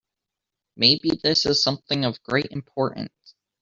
Maybe this is something of great importance.